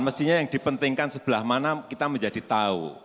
mestinya yang dipentingkan sebelah mana kita menjadi tahu